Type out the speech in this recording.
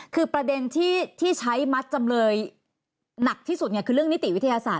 คือประเด็นที่ใช้มัดจำเลยหนักที่สุดคือเรื่องนิติวิทยาศาสต